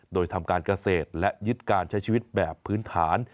โดยทำการเกษตรและยึดการใช้ชีวิตแบบพื้นฐาน